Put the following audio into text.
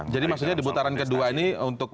jadi maksudnya di butaran kedua ini untuk